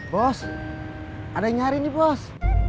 bos ada yang nyari di bos